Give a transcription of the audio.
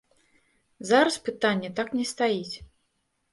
Зараз пытанне так не стаіць.